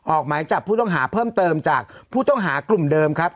ออกหมายจับผู้ต้องหาเพิ่มเติมจากผู้ต้องหากลุ่มเดิมครับ